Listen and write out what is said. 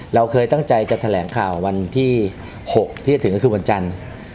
เราเคยตั้งใจจะแถลงข่าววันที่๖ที่จะถึงก็คือวันจันทร์